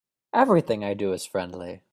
Everything I do is friendly.